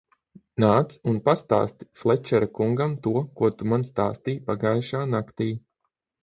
Nāc un pastāsti Flečera kungam to, ko tu man stāstīji pagajušā naktī!